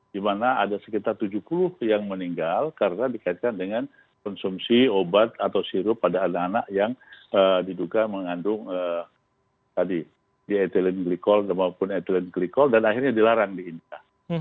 dimana ada sekitar tujuh puluh yang meninggal karena dikaitkan dengan konsumsi obat atau sirup pada anak anak yang diduga mengandung di ethylene glycol dan akhirnya dilarang di india